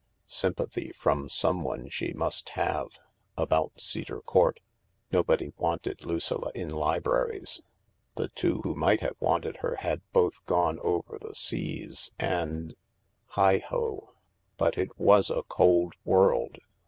Sympathy from someone she must have about Cedar Court. Nobody wanted Lucilla in libraries ; the two who might have wanted her had both gone over the seas, and Heigh ho, but it was a cold world